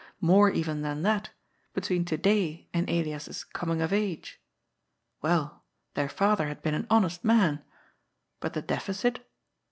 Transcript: More even than that, between to day and Elias's coming of age. Well, their father had been an honest man. But the deficit